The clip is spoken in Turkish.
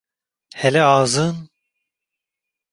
Hele ağzın…